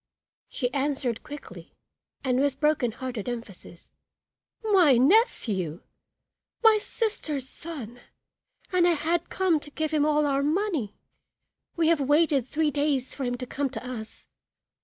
She answered quickly and with broken hearted emphasis "My nephew! my sister's son, and I had come to give him all our money. We have waited three days for him to come to us.